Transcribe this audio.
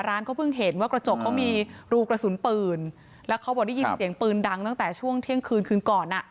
ร้านเขาเพิ่งเห็นว่ากระจกเขามีรูกระสุนปืนแล้วเขาบอกได้ยินเสียงปืนดังตั้งแต่ช่วงเที่ยงคืนคืนก่อนอ่ะ